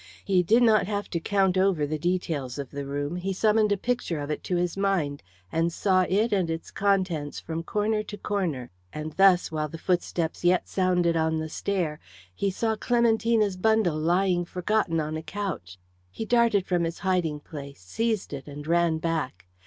He did not have to count over the details of the room; he summoned a picture of it to his mind, and saw it and its contents from corner to corner. And thus while the footsteps yet sounded on the stair, he saw Clementina's bundle lying forgotten on a couch. He darted from his hiding place, seized it, and ran back.